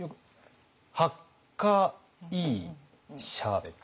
ハッカいいシャーベット。